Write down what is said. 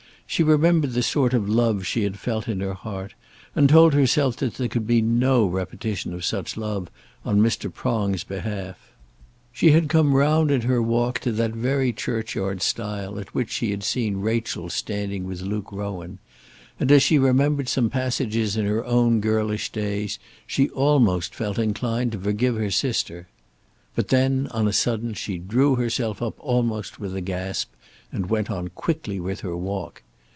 She remembered the sort of love she had felt in her heart, and told herself that there could be no repetition of such love on Mr. Prong's behalf. She had come round in her walk to that very churchyard stile at which she had seen Rachel standing with Luke Rowan, and as she remembered some passages in her own girlish days, she almost felt inclined to forgive her sister. But then, on a sudden, she drew herself up almost with a gasp, and went on quickly with her walk.